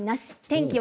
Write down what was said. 天気